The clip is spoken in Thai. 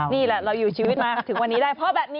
นี่แหละเราอยู่ชีวิตมาถึงวันนี้ได้เพราะแบบนี้